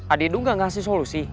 adidu nggak ngasih solusi